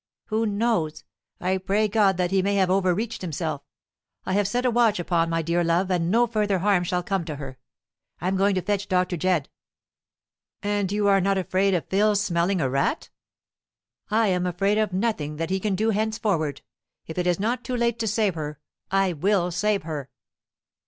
"Who knows? I pray God that he may have overreached himself. I have set a watch upon my dear love, and no further harm shall come to her. I am going to fetch Dr. Jedd." "And you are not afraid of Phil's smelling a rat?" "I am afraid of nothing that he can do henceforward. If it is not too late to save her, I will save her."